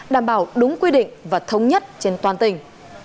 đảm bảo đúng quy định và thống nhất trên toàn tỉnh